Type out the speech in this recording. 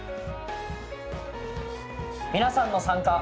皆さんの参加。